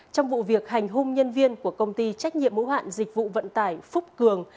trong vụ việc hành hung nhân viên của công ty trách nhiệm hữu hạn dịch vụ vận tải phúc cường